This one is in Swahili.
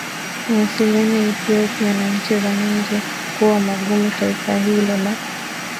mawasiliano ya Ethiopia na nchi za nje kuwa magumu Taifa hilo la